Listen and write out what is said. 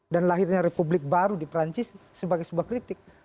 dan lahirnya republik baru di prancis sebagai sebuah kritik